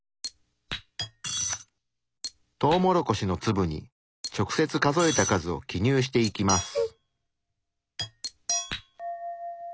トウモロコシの粒に直接数えた数を記入していきます。